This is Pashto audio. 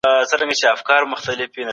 د نورو حق خوړل د دوزخ لمبه ده.